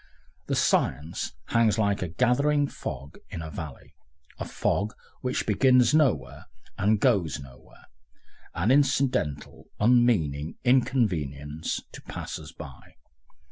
The science hangs like a gathering fog in a valley, a fog which begins nowhere and goes nowhere, an incidental, unmeaning inconvenience to passers by.